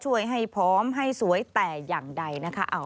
ให้พร้อมให้สวยแต่อย่างใดนะคะ